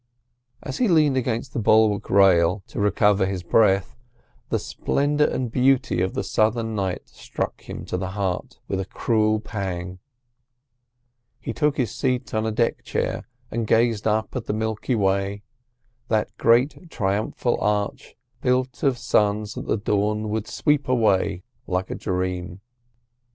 As he leaned against the bulwark rail to recover his breath, the splendour and beauty of the Southern night struck him to the heart with a cruel pang. He took his seat on a deck chair and gazed up at the Milky Way, that great triumphal arch built of suns that the dawn would sweep away like a dream.